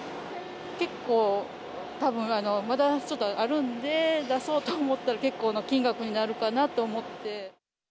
結構、たぶんまだちょっとあるんで、出そうと思ったら結構な金額になるかなと思って。